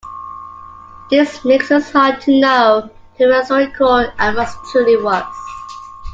This makes it hard to know who the historical Amos truly was.